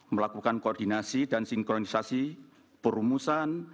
melakukan koordinasi dan sinkronisasi perumusan